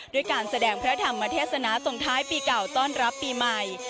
ด้วยการแสดงพระธรรมเทศนาตรงท้ายปีเก่าต้อนรับปีใหม่